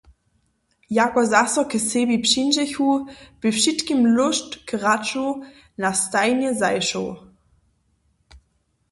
Jako zaso k sebi přińdźechu, bě wšitkim lóšt k hraću na stajnje zašoł.